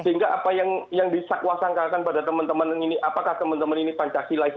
sehingga apa yang disakuasangkakan pada teman teman ini apakah teman teman ini pancasilaist